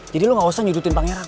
jadi lo nggak usah nyudutin pangeran